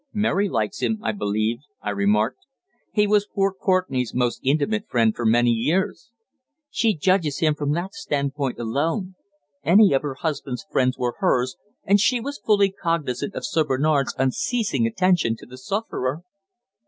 "Mary likes him, I believe," I remarked. "He was poor Courtenay's most intimate friend for many years." "She judges him from that standpoint alone. Any of her husband's friends were hers, and she was fully cognisant of Sir Bernard's unceasing attention to the sufferer."